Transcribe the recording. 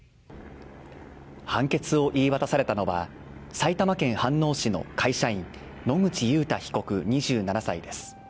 判決を言い渡されたのは埼玉県飯能市の会社員・野口祐太被告２７歳です。